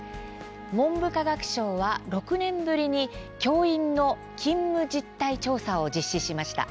文部科学省は６年ぶりに教員の勤務実態調査を実施しました。